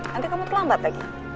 nanti kamu terlambat lagi